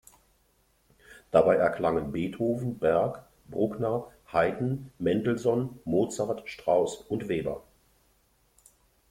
Dabei erklangen Beethoven, Berg, Bruckner, Haydn, Mendelssohn, Mozart, Strauss und Weber.